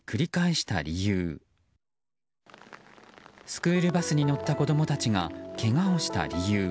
スクールバスに乗った子供たちがけがをした理由。